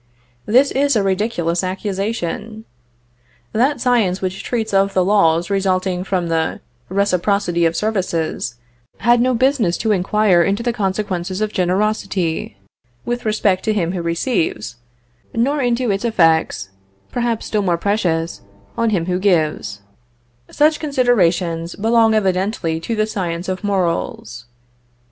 This is a ridiculous accusation. That science which treats of the laws resulting from the reciprocity of services, had no business to inquire into the consequences of generosity with respect to him who receives, nor into its effects, perhaps still more precious, on him who gives; such considerations belong evidently to the science of morals.